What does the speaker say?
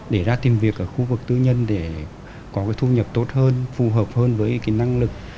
để ra tìm việc ở khu vực tư nhân để có cái thu nhập tốt hơn phù hợp hơn với cái năng lực